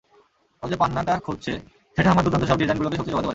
ও যে পান্নাটা খুঁজছে সেটা আমার দুর্দান্ত সব ডিজাইনগুলোকে শক্তি জোগাতে পারে।